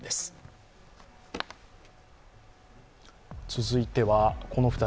続いては、この２人。